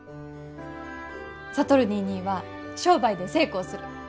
智ニーニーは商売で成功する。